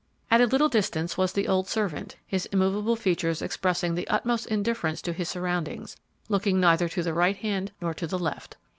At a little distance was the old servant, his immovable features expressing the utmost indifference to his surroundings, looking neither to the right hand nor to the left.